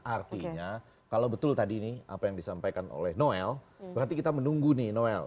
artinya kalau betul tadi ini apa yang disampaikan oleh noel berarti kita menunggu nih noel